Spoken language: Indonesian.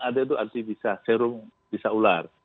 ada itu arti bisa serum bisa ular